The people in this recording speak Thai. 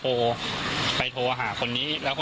ผมมีโพสต์นึงครับว่า